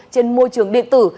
trên môi trường điện tử